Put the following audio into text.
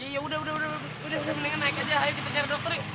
ya udah mendingan naik aja ayo kita cari dokter ya